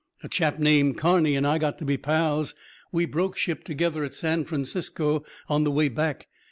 "A chap named Carney and I got to be pals. We broke ship together at San Francisco on the way back.